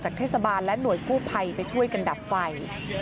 เทศบาลและหน่วยกู้ภัยไปช่วยกันดับไฟ